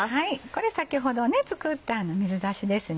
これ先ほど作った水だしですね。